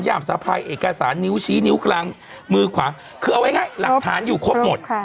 ย่ามสะพายเอกอาสารหนิวชี้หนิวกลางมือขาคือเอาไงหลักฐานอยู่ครบหมด